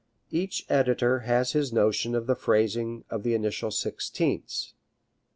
Each editor has his notion of the phrasing of the initial sixteenths.